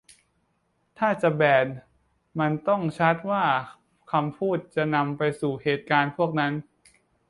ถ้าจะแบน มันต้องชัดว่าคำพูดจะนำไปสู่เหตุการณ์พวกนั้น